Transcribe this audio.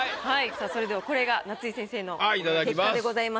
さあそれではこれが夏井先生の結果でございます。